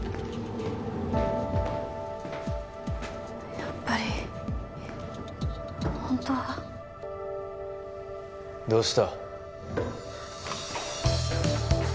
やっぱり本当はどうした？